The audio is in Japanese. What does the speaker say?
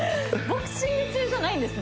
ボクシング中じゃないです